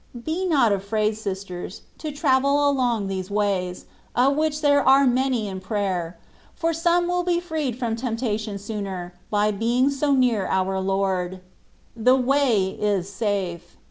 Be not afraid, sisters, to travel along these ways, of which there are many in prayer, for some will be freed from temptation sooner, by being near our Lord. The way is safe.